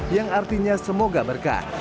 yang artinya semoga berkah